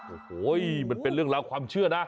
โอ้โหมันเป็นเรื่องราวความเชื่อนะ